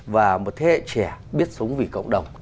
và một thế hệ trẻ biết sống vì cộng đồng